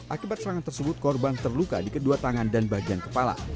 akibat serangan tersebut korban terluka di kedua tangan dan bagian kepala